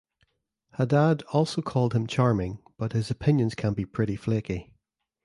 Haddad also called him "charming" but "his opinions can be pretty flaky".